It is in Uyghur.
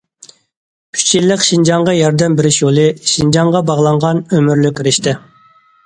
ئۈچ يىللىق شىنجاڭغا ياردەم بېرىش يولى، شىنجاڭغا باغلانغان ئۆمۈرلۈك رىشتە!